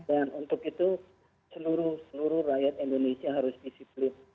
dan untuk itu seluruh seluruh rakyat indonesia harus disiplin